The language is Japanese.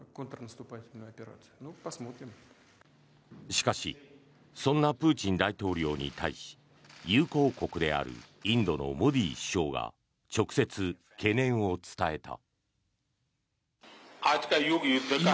しかしそんなプーチン大統領に対し友好国であるインドのモディ首相が直接懸念を伝えた。